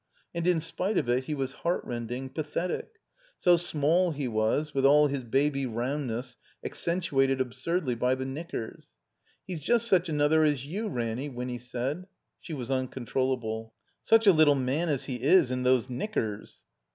And in spite of it he was heartrending, pathetic ; so small he was, with all his baby rotmdness accentuated ab surdly by the knickers. "He's just such another as you, Ranny,'? Winny said. (She was uncontrollable !)'' Such a little man as he is, in those knickers."